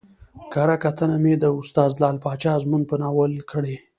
کره کتنه مې د استاد لعل پاچا ازمون په ناول کړى